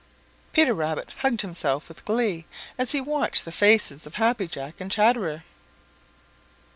Peter Rabbit hugged himself with glee as he watched the faces of Happy Jack and Chatterer.